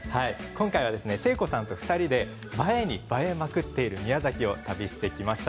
誠子さんと２人で映えに映えまくっている宮崎を旅してきました。